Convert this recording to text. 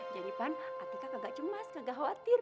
jadi pan atika gak cemas gak khawatir